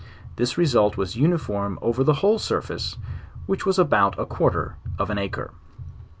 This result was uniform over the whole surface, which was about a quar ter of an acre.